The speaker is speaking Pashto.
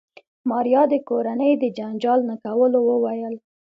ماريا د کورنۍ د جنجال نه کولو وويل.